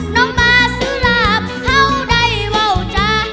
น้องมาซื้อลาบเขาได้ว่าวจ้า